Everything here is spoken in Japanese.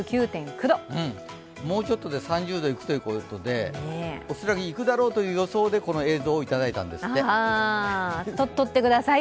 もうちょっとで３０度にいくということで、恐らく行くだろうという予想でこの映像をいただいたんですって。